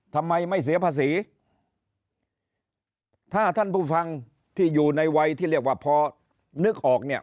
ทำไมไม่เสียภาษีถ้าท่านผู้ฟังที่อยู่ในวัยที่เรียกว่าพอนึกออกเนี่ย